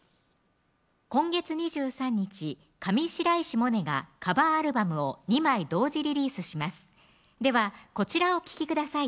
今月２３日上白石萌音がカバーアルバムを２枚同時リリースしますではこちらをお聴きください